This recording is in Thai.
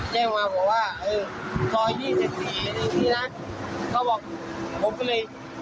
แจ้งมาบอกว่าเออซอยยี่สิบสี่นี่พี่นะเขาบอกผมก็เลย